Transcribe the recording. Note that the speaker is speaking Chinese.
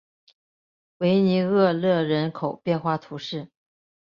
维涅厄勒人口变化图示